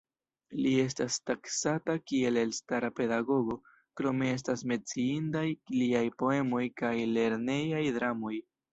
Li estas taksata, kiel elstara pedagogo, krome estas menciindaj liaj poemoj kaj lernejaj dramoj.